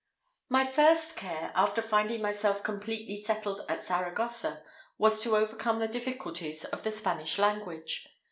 My first care, after finding myself completely settled at Saragossa, was to overcome the difficulties of the Spanish language.